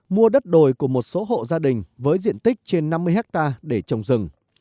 mua đất đồi của một số hộ gia đình với diện tích trên năm mươi hectare để trồng rừng